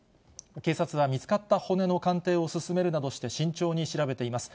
警察は見つかった骨の鑑定を進めるなどして慎重に調べています。